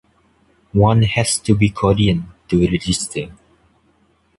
One has to be Korean to register.